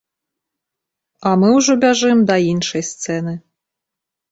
А мы ўжо бяжым да іншай сцэны.